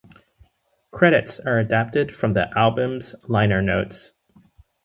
Credits are adapted from the album's liner notes.